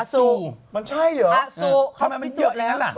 อสูอสูทำไมมันเยอะอย่างนั้นล่ะมันใช่เหรอ